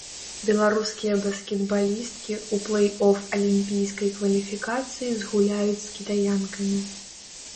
Беларускія баскетбалісткі ў плэй-оф алімпійскай кваліфікацыі згуляюць з кітаянкамі.